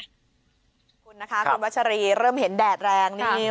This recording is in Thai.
คุณนะคะคุณวัชรีเริ่มเห็นแดดแรงนี่